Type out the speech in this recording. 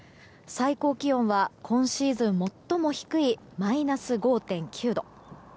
最高気温は今シーズン最も低いマイナス５．９度。